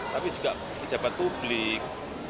tapi juga di jabat publik